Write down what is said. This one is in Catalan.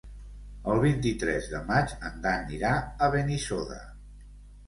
El vint-i-tres de maig en Dan irà a Benissoda.